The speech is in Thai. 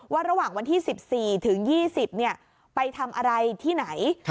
ระหว่างวันที่๑๔ถึง๒๐ไปทำอะไรที่ไหน